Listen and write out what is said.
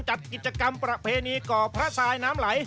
จัดกิจกรรมประเพณีก่อพระทรายน้ำไหล